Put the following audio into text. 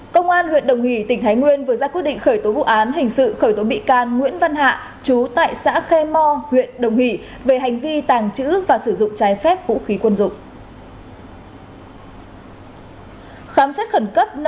các bạn hãy đăng ký kênh để ủng hộ kênh của chúng mình nhé